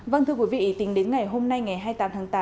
vâng thưa quý vị tính đến ngày hôm nay ngày hai mươi tám tháng tám